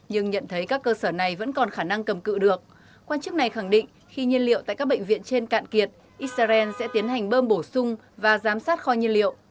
nhưng nhận thấy các cơ sở này vẫn còn khả năng kéo xe